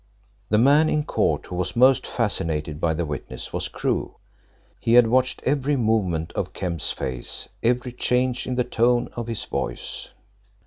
The man in court who was most fascinated by the witness was Crewe. He had watched every movement of Kemp's face, every change in the tone of his voice.